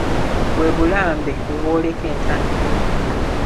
Bwe bulambe obwoleka entandikwa.